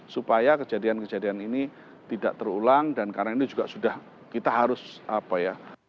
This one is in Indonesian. supaya kejadian kejadian ini tidak terulang dan karena ini juga sudah kita harus apa ya